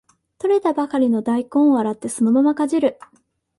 採れたばかりの大根を洗ってそのままかじる